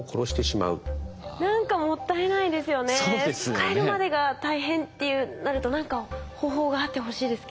使えるまでが大変ってなると何か方法があってほしいですけど。